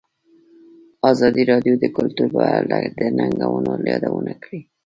ازادي راډیو د کلتور په اړه د ننګونو یادونه کړې.